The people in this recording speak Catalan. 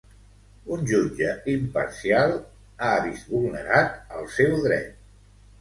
Un jutge imparcial ha vist vulnerat el seu dret.